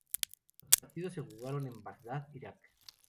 Los partidos se jugaron en Bagdad, Irak.